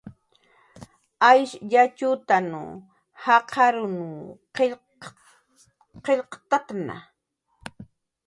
Aysh yatxutan jaqarunw qillq qillqt'ktna